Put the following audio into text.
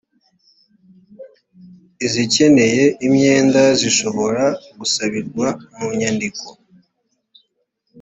izikeneye imyenda zishobora gusabirwa mu nyandiko